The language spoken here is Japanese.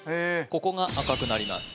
ここが赤くなります